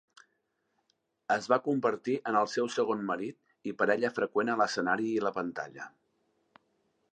Es va convertir en el seu segon marit i parella freqüent a l'escenari i la pantalla.